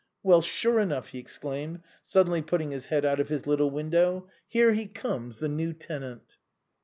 Well, sure enough," he exclaimed, suddenly putting his head out of his little window, " here he comes, the new tenant